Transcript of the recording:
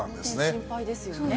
心配ですよね。